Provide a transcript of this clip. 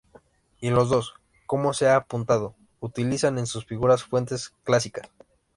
Y los dos, como se ha apuntado, utilizan en sus figuras fuentes clásicas.